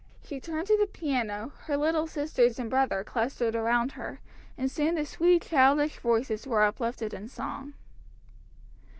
She turned to the piano, her little sisters and brother clustered round her, and soon the sweet, childish voices were uplifted in song.